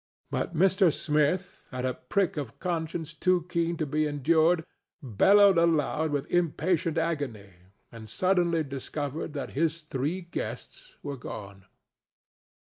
But Mr. Smith, at a prick of Conscience too keen to be endured, bellowed aloud with impatient agony, and suddenly discovered that his three guests were gone.